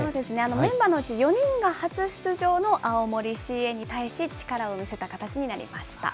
メンバーのうち４人が初出場の青森ＣＡに対し、力を見せた形になりました。